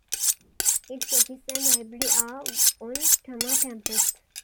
Its office and library are on Tama Campus.